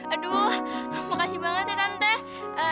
aduh makasih banget ya tante